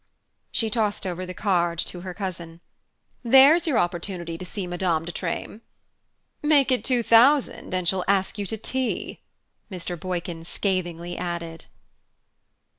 She tossed over the card to her cousin. "There's your opportunity to see Madame de Treymes." "Make it two thousand, and she'll ask you to tea," Mr. Boykin scathingly added.